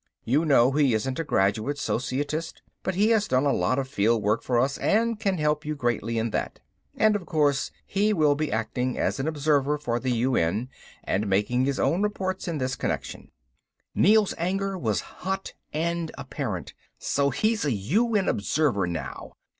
You know he isn't a graduate Societist, but he has done a lot of field work for us and can help you greatly in that. And, of course, he will be acting as an observer for the UN, and making his own reports in this connection." Neel's anger was hot and apparent. "So he's a UN observer now.